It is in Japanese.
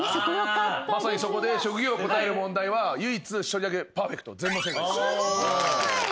まさにそこで職業答える問題は唯一一人だけパーフェクト。